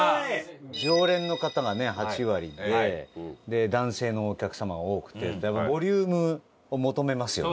常連の方が８割で男性のお客様が多くて多分ボリュームを求めますよね。